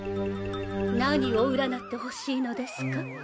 何を占ってほしいのですか？